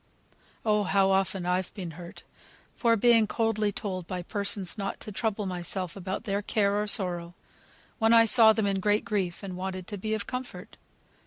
Oh! how often I've been hurt, by being coldly told by persons not to trouble myself about their care, or sorrow, when I saw them in great grief, and wanted to be of comfort.